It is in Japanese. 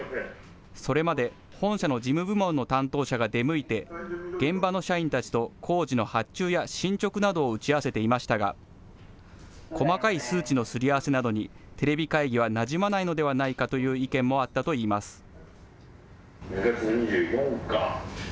それまで本社の事務部門の担当者が出向いて現場の社員たちと工事の発注や進捗などを打ち合わせていましたが細かい数値のすり合わせなどにテレビ会議はなじまないのではないかという意見もあったといいます。